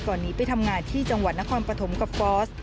หนีไปทำงานที่จังหวัดนครปฐมกับฟอส